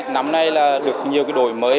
năm nay là được nhiều cái đổi mới